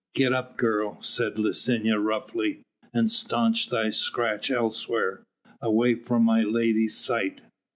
"Get up, girl," said Licinia roughly, "and staunch thy scratch elsewhere, away from my lady's sight.